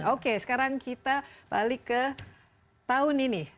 oke sekarang kita balik ke tahun ini